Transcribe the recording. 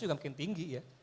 juga makin tinggi ya